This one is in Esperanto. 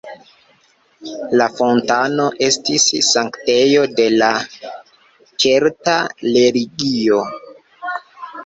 La fontano estis sanktejo de la kelta religio.